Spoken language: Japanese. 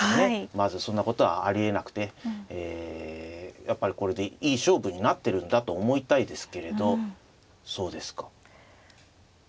まずそんなことはありえなくてやっぱりこれでいい勝負になってるんだと思いたいですけれどそうですか。